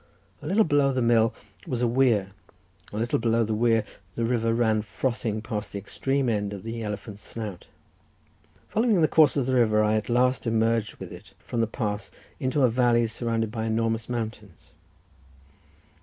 A little below the mill was a weir, and a little below the weir the river ran frothing past the extreme end of the elephant's snout. Following the course of the river, I at last emerged with it from the pass into a valley surrounded by enormous mountains.